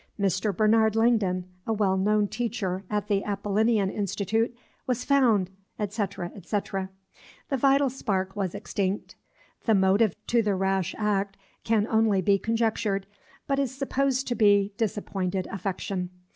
Mr. Barnard Langden, a well known teacher at the Appolinian Institute, was found, etc., etc. The vital spark was extinct. The motive to the rash act can only be conjectured, but is supposed to be disappointed affection.